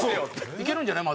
いけるんじゃない？